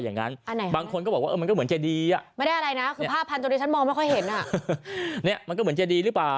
อย่างนั้นอันยังไงบางคนก็บอกว่าเออมันก็เหมือนใจดี